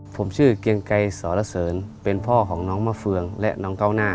ผมชื่อเกียงไกรสรเสริญเป็นพ่อของน้องมะเฟืองและน้องเก้าหน้า